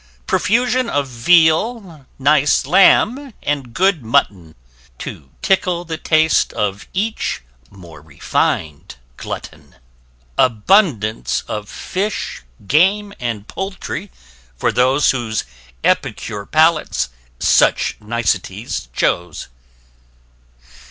Profusion of veal, nice lamb, and good mutton, To tickle the taste of each more refin'd glutton Abundance of fish, game and poultry, for those Whose epicure palates such niceties chose.